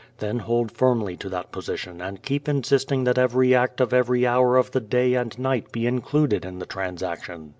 Then hold firmly to that position and keep insisting that every act of every hour of the day and night be included in the transaction.